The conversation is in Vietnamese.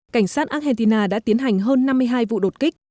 cảnh sát argentina đã tiến hành hơn năm mươi hai vụ đột kích